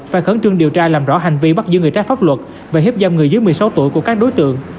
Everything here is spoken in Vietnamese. và khấn trương điều tra làm rõ hành vi bắt giữ người trái pháp luật và hiếp giam người dưới một mươi sáu tuổi của các đối tượng